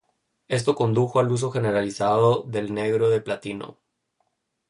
Esto condujo al uso generalizado del negro de platino.